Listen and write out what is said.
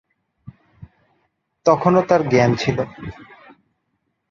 তখনো তার জ্ঞান ছিল।